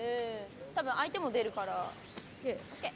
多分、相手も出るから。